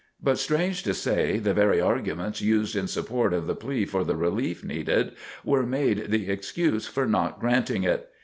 But strange to say, the very arguments used in support of the plea for the relief needed, were made the excuse for not granting it.